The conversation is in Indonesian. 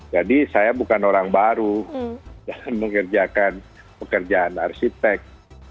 jadi saya bukan orang baru dalam mengerjakan pekerjaan arsitek